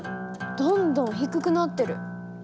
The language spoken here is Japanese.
どんどん低くなってる。